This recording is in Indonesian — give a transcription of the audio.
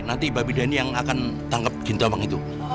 nanti babi dani yang akan tangkap jintomang itu